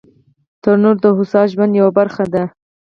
تنور د هوسا ژوند یوه برخه ده